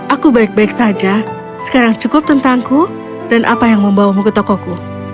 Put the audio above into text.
aku baik baik saja sekarang cukup tentangku dan apa yang membawamu ke tokoku